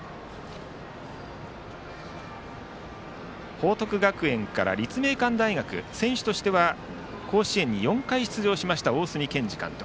報徳学園から立命館大学選手としては甲子園に４回出場しました大角健二監督。